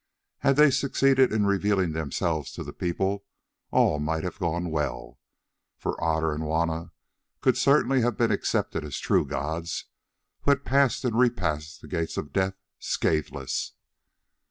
Had they succeeded in revealing themselves to the people, all might have gone well, for Otter and Juanna would certainly have been accepted as true gods, who had passed and repassed the gates of death scatheless.